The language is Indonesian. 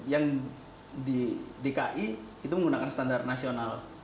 yang di dki itu menggunakan standar nasional